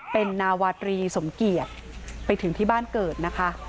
เป็นนาวาตรีสมเกียจไปถึงที่บ้านเกิดนะคะ